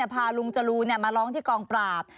พาลุงจรูนมาร้องที่กองปราบ